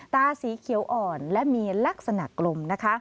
ตาสีเขียวอ่อนและมีลักษณะกลมนะคะ